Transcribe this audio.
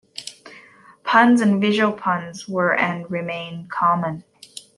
Puns and visual puns were and remain common.